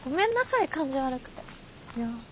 いや。